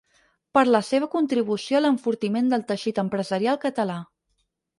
Per la seva contribució a l’enfortiment del teixit empresarial català.